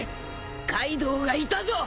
カイドウがいたぞ！